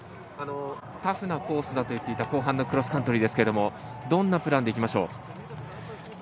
タフなコースだといっていた後半のクロスカントリーですけどどんなプランでいきましょう。